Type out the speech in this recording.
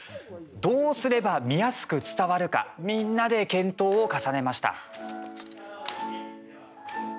どうすれば見やすく伝わるかみんなで検討を重ねました。